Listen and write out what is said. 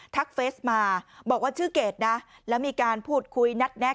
เฟสมาบอกว่าชื่อเกดนะแล้วมีการพูดคุยนัดแนะ